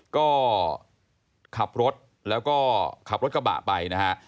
ก็ขับรถแล้วก็ขับรถกระบะไปนะฮะ